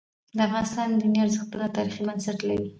د افغانستان دیني ارزښتونه تاریخي بنسټ لري.